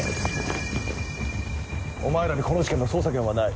お前らにこの事件の捜査権はない。